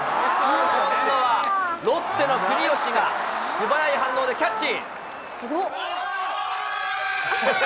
今度はロッテの国吉が素早い反応でキャッチ。